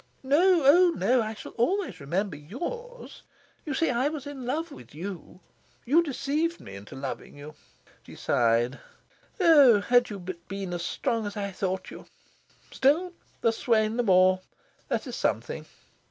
"No. Oh, no. I shall always remember yours. You see, I was in love with you. You deceived me into loving you..." She sighed. "Oh, had you but been as strong as I thought you... Still, a swain the more. That is something."